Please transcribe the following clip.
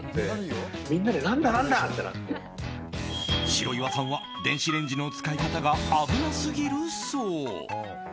白岩さんは電子レンジの使い方が危なすぎるそう。